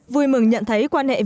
vui mừng nhận thấy quan hệ việt nam